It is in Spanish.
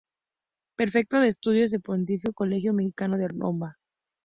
Prefecto de estudios del Pontificio Colegio Mexicano en Roma.